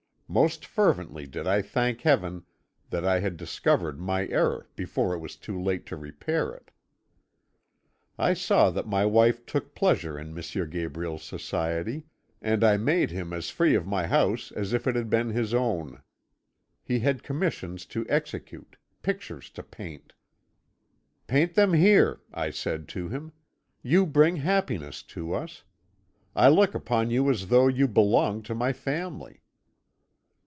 Most fervently did I thank Heaven that I had discovered my error before it was too late to repair it. "I saw that my wife took pleasure in M. Gabriel's society, and I made him as free of my house as if it had been his own. He had commissions to execute, pictures to paint. "'Paint them here,' I said to him, 'you bring happiness to us. I look upon you as though you belonged to my family.'